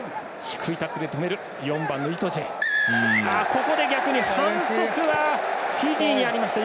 ここで、逆に反則はフィジーにありました。